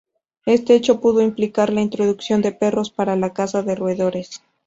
Este hecho pudo implicar la introducción de perros para la caza de roedores.